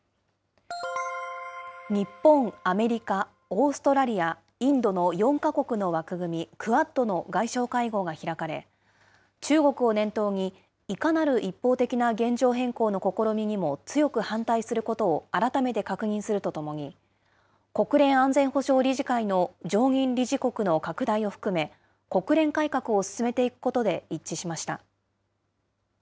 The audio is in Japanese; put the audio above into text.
日本、アメリカ、オーストラリア、インドの４か国の枠組み、クアッドの外相会合が開かれ、中国を念頭に、いかなる一方的な現状変更の試みにも強く反対することを改めて確認するとともに、国連安全保障理事会の常任理事国の拡大を含め、国連改革を進めていくことで一致しました。